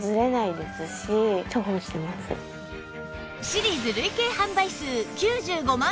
シリーズ累計販売数９２万